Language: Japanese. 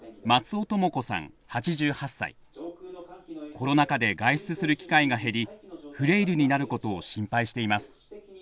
コロナ禍で外出する機会が減りフレイルになることを心配しています。